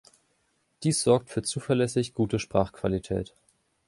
Dies sorgt für zuverlässig gute Sprachqualität.